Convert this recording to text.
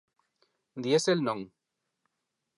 Diésel non.